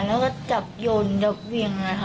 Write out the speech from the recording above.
แล้วก็จับโยนจับเวียงนะคะ